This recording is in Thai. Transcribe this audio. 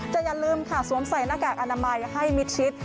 แต่อย่าลืมค่ะสวมใส่หน้ากากอนามัยให้มิดชิด